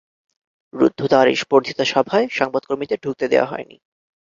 রুদ্ধদ্বার এ বর্ধিত সভায় সংবাদকর্মীদের ঢুকতে দেওয়া হয়নি।